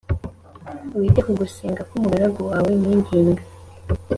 wite ku gusenga k’umugaragu wawe nkwinginga